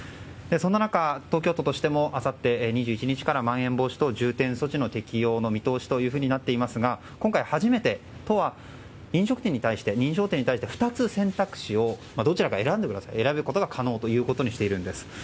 そんな中、東京都としてもあさって２１日からまん延防止等重点措置の適用の見通しというふうになっていますが今回初めて、都は認証店に対して、２つの選択肢を選ぶことが可能としているんです。